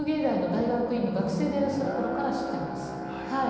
大の大学院の学生でいらっしゃる頃から知ってます。